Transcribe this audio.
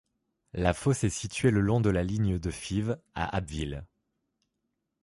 La fosse est située le long de la ligne de Fives à Abbeville.